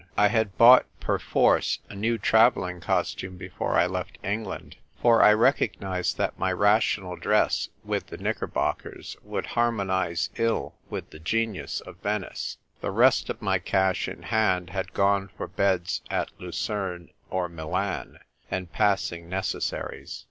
I had bought perforce a new travelling costume before I left England, for I recognised that my rational dress with the knickerbockers would harmonise ill with the genius of Venice; the rest of my cash in I CLING TO THE RIGGING. 255 hand had gone for beds at Lucerne or Milan, and passing necessaries.